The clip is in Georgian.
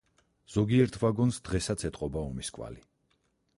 ზოგიერთ ვაგონს დღესაც ეტყობა ომის კვალი.